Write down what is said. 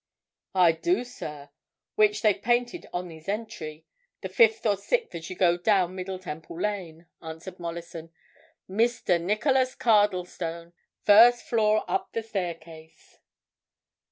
"I do, sir. Which they've painted on his entry—the fifth or sixth as you go down Middle Temple Lane," answered Mollison. "Mr. Nicholas Cardlestone, first floor up the staircase."